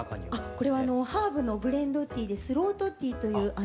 これはハーブのブレンドティーでスロートティーという。